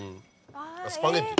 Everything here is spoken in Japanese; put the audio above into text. あっスパゲティ。